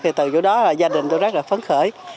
thì từ đó là gia đình tôi rất là phấn khởi